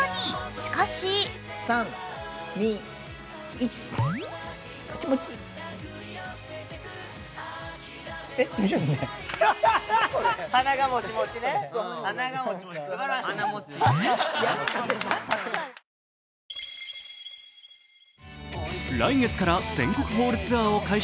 しかし来月から全国ホールツアーを開始